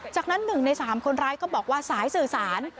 จากนั้น๑ใน๓คนร้ายก็บอกว่าสายสื่อสาร